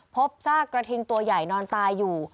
พบซากกระทิงตัวใหญ่นอนตายอยู่